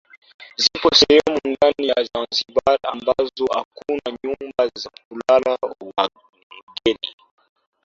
Zipo sehemu ndani ya Zanzibar ambazo hakuna nyumba za kulala wageni